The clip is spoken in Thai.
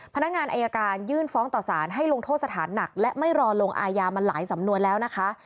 พนักงานอายการยื่นฟ้องต่อสารให้ลงโทษสถานหนักและไม่รอลงอายามาหลายสำนวนแล้วนะคะ